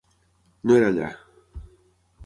No era allà.